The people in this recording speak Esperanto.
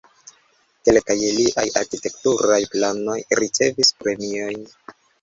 Kelkaj liaj arkitekturaj planoj ricevis premiojn.